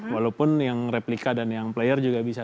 walaupun yang replika dan yang player juga bisa